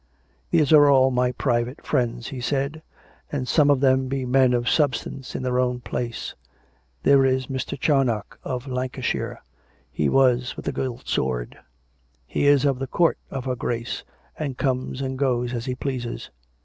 " These are all my private friends," he said, " and some of them be men of substance in their own place. There is Mr. Charnoc, of Lancashire, he with the gilt sword. He is of the Court of her Grace, and comes and goes as he pleases.